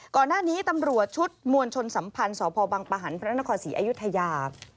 ก่อนหน้านี้ตำรวจชุดมวลชนสัมพันธ์สพบังปะหันพระนครศรีอยุธยา